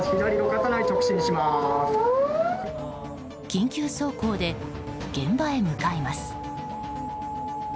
緊急走行で現場へ向かいます。